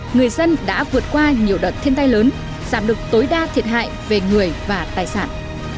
người dân đã vượt qua nhiều đợt thiên tai lớn giảm được tối đa thiệt hại về người và tài sản